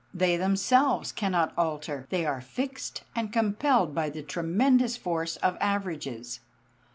They themselves cannot alter; they are fixed and compelled by the tremendous force of averages.